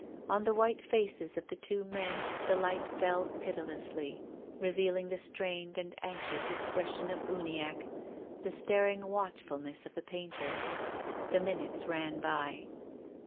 On the white faces of the two men the light fell pitilessly, revealing the strained and anxious ex pression of Uniacke, the staring watchfulness of the painter. The minutes ran by.